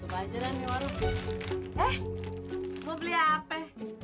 mau beli apa